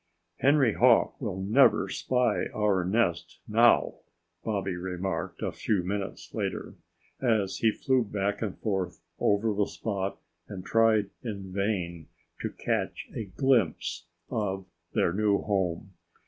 "Henry Hawk will never spy our nest now," Bobby remarked a few minutes later, as he flew back and forth over the spot and tried in vain to catch a glimpse of their new home.